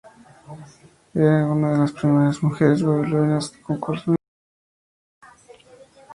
Es una de las primeras mujeres bolivianas que incursionaron en el periodismo deportivo boliviano.